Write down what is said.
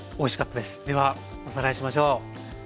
ではおさらいしましょう。